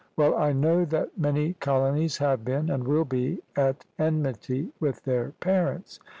Well I know that many colonies have been, and will be, at enmity with their parents.